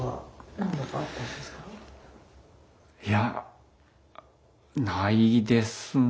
いやないですね。